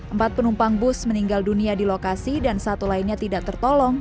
empat penumpang bus meninggal dunia di lokasi dan satu lainnya tidak tertolong